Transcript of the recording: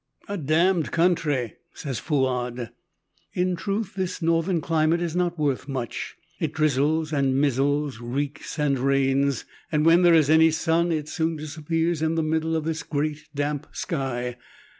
"A damned country!" says Fouillade. In truth this Northern climate is not worth much. It drizzles and mizzles, reeks and rains. And when there is any sun it soon disappears in the middle of this great damp sky.